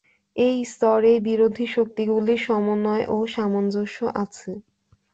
এই স্তরেই বিরোধী শক্তিগুলির সমন্বয় ও সামঞ্জস্য আছে।